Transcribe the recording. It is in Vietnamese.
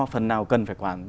phần nào cần phải quản